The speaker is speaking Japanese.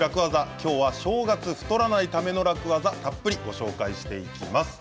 今日は正月太らないための楽ワザたっぷりご紹介していきます。